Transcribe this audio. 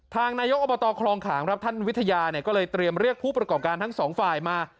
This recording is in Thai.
นายกอบตคลองขางครับท่านวิทยาเนี่ยก็เลยเตรียมเรียกผู้ประกอบการทั้งสองฝ่ายมา